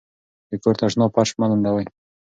د کور تشناب فرش مه لندوئ.